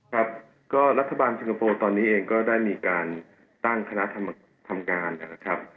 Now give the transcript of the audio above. ครับก็รัฐบาลสิงคโปร์ตอนนี้เองก็ได้มีการตั้งคณะทำงานนะครับ